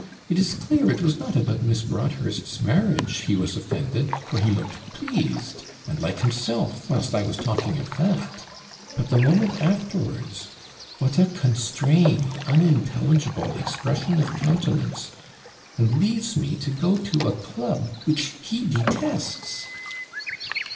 It is clear it was not about Miss Broadhurst's marriage he was offended; for he looked pleased, and like himself, whilst I was talking of that; but the moment afterwards, what a constrained, unintelligible expression of countenance and leaves me to go to a club which he detests!'